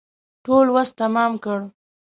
ټول وس تمام کړ.